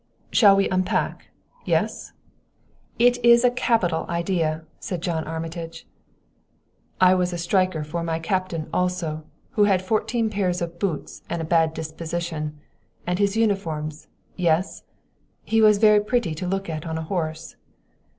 "Shall we unpack yes?" "It is a capital idea," said John Armitage. "I was striker for my captain also, who had fourteen pairs of boots and a bad disposition and his uniforms yes? He was very pretty to look at on a horse."